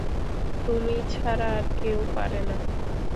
তুমি ছাড়া আর কেউ পারে না।